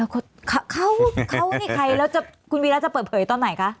เขานี่ใครแล้วคุณวีระจะเปิดเผยตอนไหนคะ